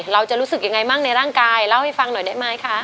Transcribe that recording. เราจะรู้สึกยังไงบ้างในร่างกายเล่าให้ฟังหน่อยได้ไหมคะ